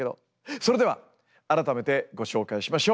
それでは改めてご紹介しましょう。